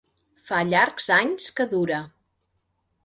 Fa llargs anys que dura.